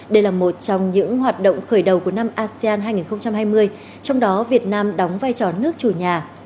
đây là một trong những hoạt động khởi đầu của năm asean hai nghìn hai mươi trong đó việt nam đóng vai trò nước chủ nhà